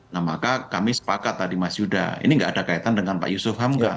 nah maka kami sepakat tadi mas yuda ini nggak ada kaitan dengan pak yusuf hamka